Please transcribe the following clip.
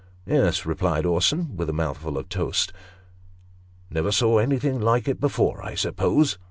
" Yes," replied Orson, with a mouthful of toast. " Never saw anything like it before, I suppose